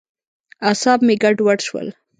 اعصاب مې ګډوډ شول.